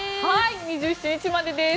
２７日までです。